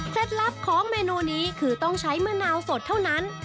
ลับของเมนูนี้คือต้องใช้มะนาวสดเท่านั้น